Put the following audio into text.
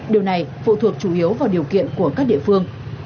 điều này phụ thuộc chủ yếu vào điều kiện của các địa phương